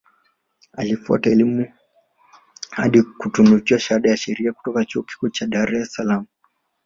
Alifuata elimu hadi kutunukiwa shahada ya Sheria kutoka Chuo Kikuu cha Dar es Salaam